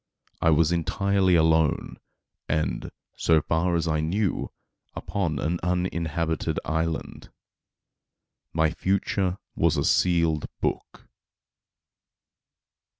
I was entirely alone, and, so far as I knew, upon an uninhabited island. My future was a sealed book.